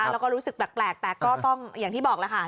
แล้วก็รู้สึกแปลกแต่ก็ต้องอย่างที่บอกแล้วค่ะ